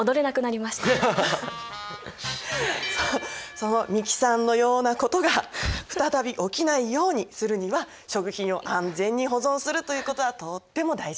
その美樹さんのようなことが再び起きないようにするには食品を安全に保存するということはとっても大事です。